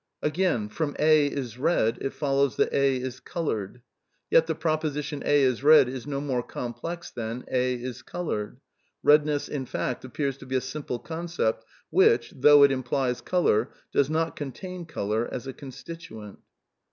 '' Again, from '^ A is red," it follows that A is coloured. ^' Yet the proposition * A is red ' is no more complex than ^ A is coloured.' ... Redness in f act^ appears to be a simple concept which, though it implies colour, does not contain colour as a constituent."